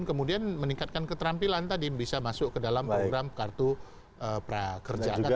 kemudian meningkatkan keterampilan tadi bisa masuk ke dalam program kartu prakerja